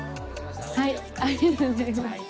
ありがとうございます。